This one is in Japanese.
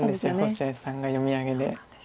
星合さんが読み上げで。